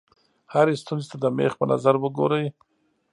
هرې ستونزې ته د مېخ په نظر وګورئ.